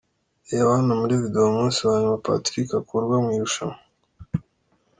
Reba hano muri video umunsi wa nyuma Patrick akurwa mu irushanwa.